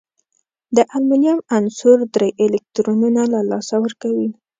د المونیم عنصر درې الکترونونه له لاسه ورکوي.